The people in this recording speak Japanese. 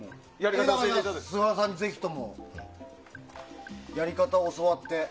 だから、菅原さんにぜひともやり方を教わって。